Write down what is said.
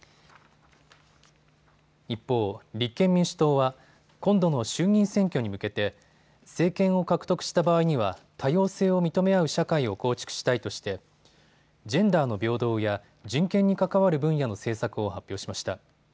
一方、立憲民主党は今度の衆議院選挙に向けて政権を獲得した場合には多様性を認め合う社会を構築したいとしてジェンダーの平等や人権に関わる分野の政策を発表しました。